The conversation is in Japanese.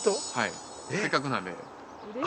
せっかくなんで。